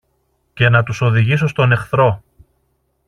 και να τους οδηγήσω στον εχθρό.